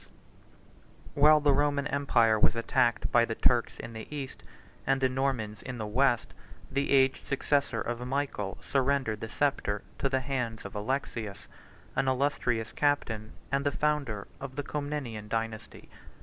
] While the Roman empire was attacked by the Turks in the East, east, and the Normans in the West, the aged successor of Michael surrendered the sceptre to the hands of Alexius, an illustrious captain, and the founder of the Comnenian dynasty.